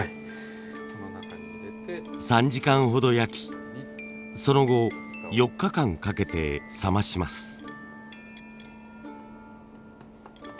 ３時間ほど焼きその後４日間かけて冷まします。